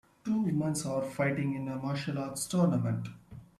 Two women are fighting in a martial arts tournament.